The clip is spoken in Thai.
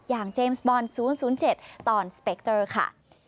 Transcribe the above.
อย่างเจมส์บอร์นศูนย์ศูนย์๗ตอนสเปคเตอร์ค่ะ